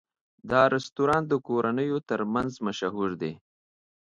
دا رستورانت د کورنیو تر منځ مشهور دی.